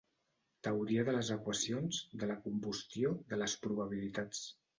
Teoria de les equacions, de la combustió, de les probabilitats.